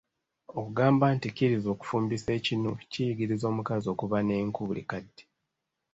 Okugamba nti kizira okufumbisa ekinu, kiyigiriza omukazi okuba n'enku buli kadde.